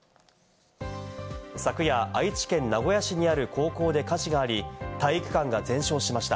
昨夜、愛知県名古屋市にある高校で火事があり、体育館が全焼しました。